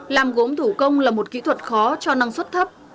làm gốm thủ công là một kỹ thuật khó cho năng suất thấp